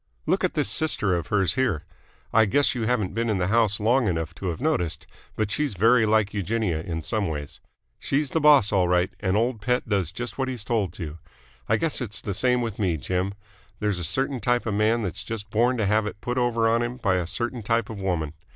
Look at this sister of hers here. I guess you haven't been in the house long enough to have noticed, but she's very like Eugenia in some ways. She's the boss all right, and old Pett does just what he's told to. I guess it's the same with me, Jim. There's a certain type of man that's just born to have it put over on him by a certain type of woman.